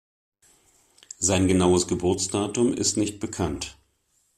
Sein genaues Geburtsdatum ist nicht bekannt.